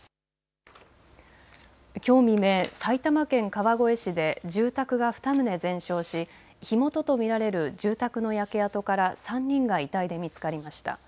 きょう未明、埼玉県川越市で住宅が２棟全焼し火元と見られる住宅の焼け跡から３人が遺体で見つかりました。